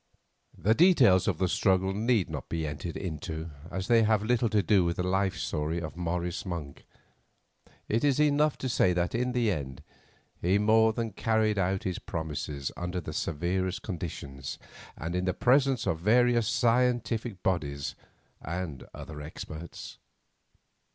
The details of the struggle need not be entered into, as they have little to do with the life story of Morris Monk. It is enough to say that in the end he more than carried out his promises under the severest conditions, and in the presence of various scientific bodies and other experts.